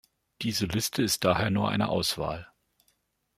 Diese Liste ist daher nur eine Auswahl.